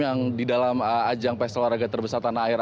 yang di dalam ajang pesel warga terbesar tanah air